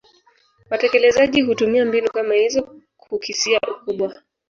Watekelezaji hutumia mbinu kama hizo kukisia ukubwa